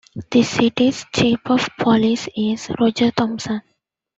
The City's chief of police is Roger Thompson.